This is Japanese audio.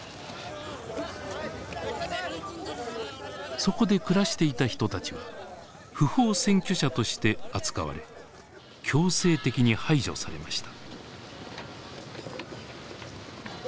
そこで暮らしていた人たちは不法占拠者として扱われ強制的に排除されました。